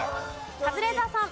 カズレーザーさん。